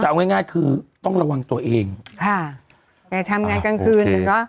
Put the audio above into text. แต่เอาง่ายง่ายคือต้องระวังตัวเองค่ะแต่ทำงานกลางคืนอ่ะเนอะ